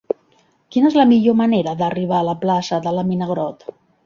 Quina és la millor manera d'arribar a la plaça de la Mina Grott?